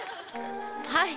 はい。